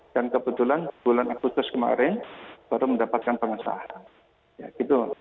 dan kebetulan bulan agustus kemarin baru mendapatkan pengesahan